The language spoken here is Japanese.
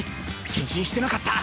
返信してなかった。